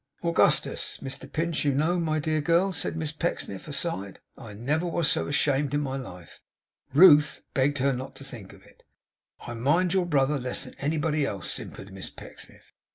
'Augustus Mr Pinch, you know. My dear girl!' said Miss Pecksniff, aside. 'I never was so ashamed in my life.' Ruth begged her not to think of it. 'I mind your brother less than anybody else,' simpered Miss Pecksniff.